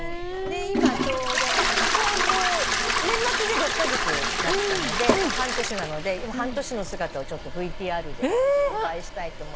今ちょうど年末で６カ月になったので半年なので半年の姿をＶＴＲでお伝えしたいと思います。